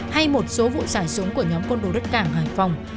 hay một số vụ xảy súng của nhóm con đồ đất cảng hải phòng